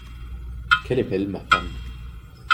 Qu’elle est belle, ma femme !…